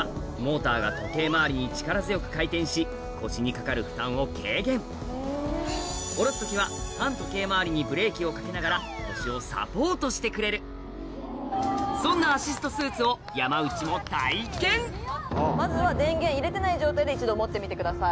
モーターが時計回りに力強く回転し腰にかかる負担を軽減下ろす時は反時計回りにブレーキをかけながら腰をサポートしてくれるそんなアシストスーツを山内も体験まずは電源入れてない状態で一度持ってみてください。